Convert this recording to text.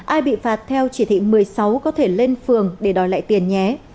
ai bị phạt theo chỉ thị một mươi sáu có thể lên phường để đòi lại tiền nhé